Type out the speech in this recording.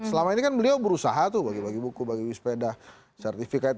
selama ini kan beliau berusaha tuh bagi bagi buku bagi sepeda sertifikat